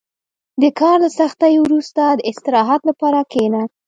• د کار له سختۍ وروسته، د استراحت لپاره کښېنه.